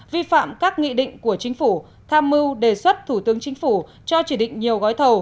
vi phạm các nghị định của chính phủ tham mưu đề xuất thủ tướng chính phủ cho chỉ định nhiều gói thầu